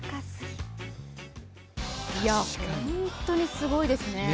本当にすごいですね。